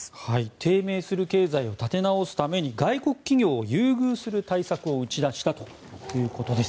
低迷する経済を立て直すために外国企業を優遇する対策を打ち出したということです。